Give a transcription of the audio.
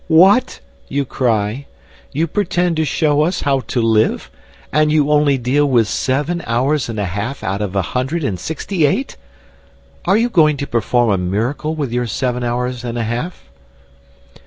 "What?" you cry. "You pretend to show us how to live, and you only deal with seven hours and a half out of a hundred and sixty eight! Are you going to perform a miracle with your seven hours and a half?"